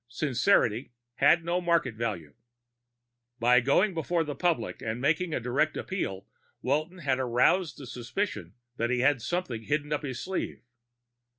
Sincerity had no market value. By going before the public and making a direct appeal, Walton had aroused the suspicion that he had something hidden up his sleeve.